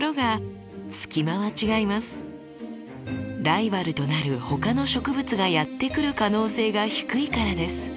ライバルとなる他の植物がやって来る可能性が低いからです。